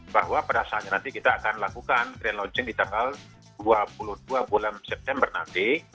bahwa pada saat nanti kita akan lakukan relaunching di tanggal dua puluh dua september nanti